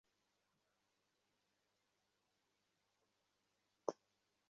বিনোদিনী কহিল, আপনি বিহারীবাবুকে দোষ দেন, কিন্তু আপনিই তো হাঙ্গাম বাধাইতে অদ্বিতীয়।